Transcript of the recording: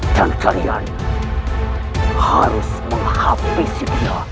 dan kalian harus menghabisi dia